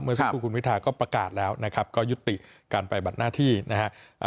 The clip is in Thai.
สักครู่คุณวิทาก็ประกาศแล้วนะครับก็ยุติการไปบัดหน้าที่นะครับ